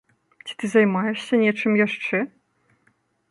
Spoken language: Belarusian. Ці ты займаешся нечым яшчэ?